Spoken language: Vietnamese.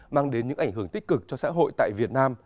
mang đến những ảnh hưởng tích cực cho xã hội tại việt nam